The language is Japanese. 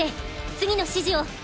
次の指示を。